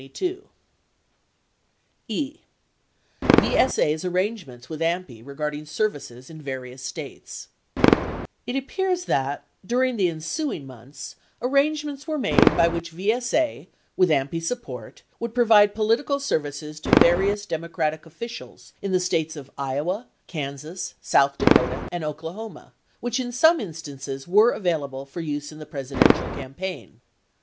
11 E. VSA's Arrangements With AMPI Regarding Services in Various States It appears that, during the ensuing months, 12 arrangements were made by which VSA with AMPI support would provide political services to various Democratic officials in the States of Iowa, Kansas, South Dakota, and Oklahoma which in some instances were available for use in the Presidential campaign.